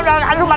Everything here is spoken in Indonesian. dia bodoh aduh